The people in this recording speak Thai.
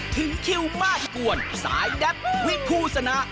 ถึงคิวมาสกวนสายแด๊บวิภูชนะ